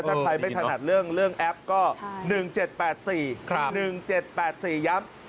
ถ้าใครไม่ถนัดเรื่องแอปก็๑๗๘๔๑๗๘๔ย้ำ